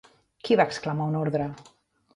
Qui va exclamar un ordre?